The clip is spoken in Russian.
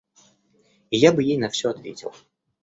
И я бы ей на все ответил.